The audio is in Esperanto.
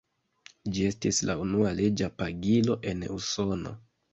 Ĝi estis la unua leĝa pagilo en Usono.